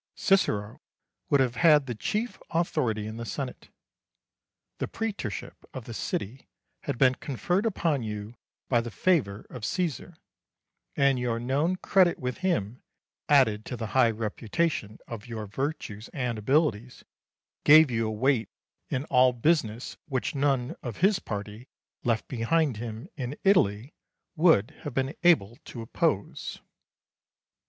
Cicero would have had the chief authority in the Senate. The praetorship of the city had been conferred upon you by the favour of Caesar, and your known credit with him, added to the high reputation of your virtues and abilities, gave you a weight in all business which none of his party left behind him in Italy would have been able to oppose.